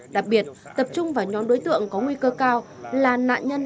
đặc biệt tập trung vào nhóm đối tượng có nguy cơ cao là nạn nhân